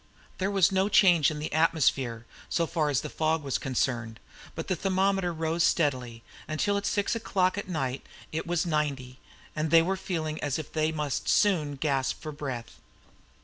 There was no change in the atmosphere, so far as the fog was concerned, but the thermometer rose steadily, until at six o'clock at night it was at ninety, and they were feeling as if they must soon gasp for breath.